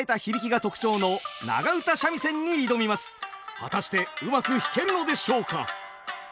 果たしてうまく弾けるのでしょうか。